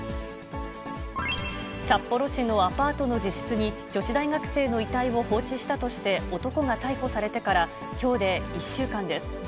札幌市のアパートの自室に女子大学生の遺体を放置したとして、男が逮捕されてから、きょうで１週間です。